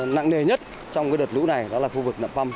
nặng nề nhất trong cái đợt lũ này đó là khu vực nạm phâm